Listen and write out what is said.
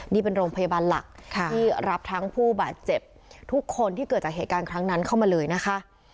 นี่เป็นโรงพยาบาลหลักที่รับทั้งผู้บาดเจ็บทุกคนที่เกิดจากเหตุการณ์ครั้งนั้นเข้ามาเลยนะคะ